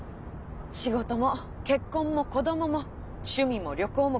仕事も結婚も子供も趣味も旅行も車も。